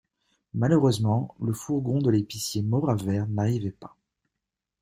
Malheureusement, le fourgon de l'épicier Mauravert n'arrivait pas.